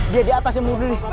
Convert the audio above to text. dia di atas yang mundur nih